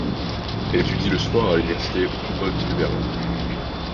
Elle étudie le sport à l'Université Humboldt de Berlin.